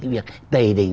việc tầy đỉnh